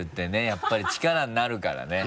やっぱり力になるからね。